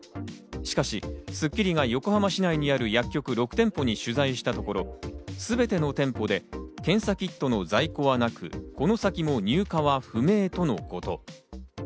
しかし『スッキリ』が横浜市内にある薬局６店舗に取材したところ、すべての店舗で検査キットの在庫はなく、この先も入荷は不明とのこと。